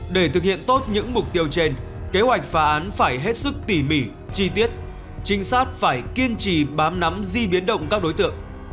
để thực hiện tốt những mục tiêu trên kế hoạch phá án phải hết sức tỉ mỉ chi tiết trinh sát phải kiên trì bám nắm di biến động các đối tượng